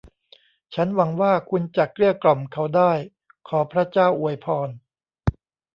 ฉันหวังว่าคุณจะเกลี้ยกล่อมเขาได้ ขอพระเจ้าอวยพร